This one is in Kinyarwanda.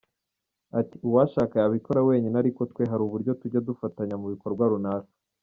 Ati “Uwashaka yabikora wenyine ariko twe hari uburyo tujya dufatanya mu bikorwa runaka.